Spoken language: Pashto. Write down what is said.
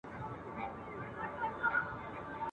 چي يې جوړي سوي سوي غلبلې كړې !.